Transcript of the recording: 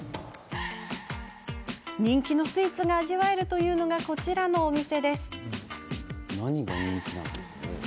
人気のスイーツが味わえるというのが、こちらのお店。